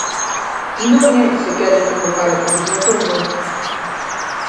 Non é se queren convocar oposicións ou non.